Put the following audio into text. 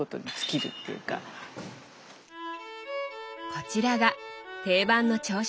こちらが定番の朝食。